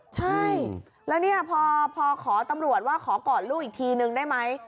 ใช่แล้วเนี่ยพอขอตำรวจว่าขอกอดลูกอีกทีนึงได้ไหม